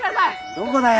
どこだよ？